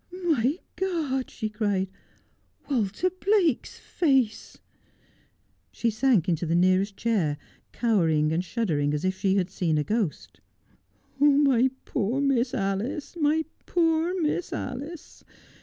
' My God,' she cried, ' Walter Blake's face !' She sank into the nearest chair, cowering and shuddering as if she had seen a ghost. ' Oh, my poor Miss Alice, my poor Miss Alice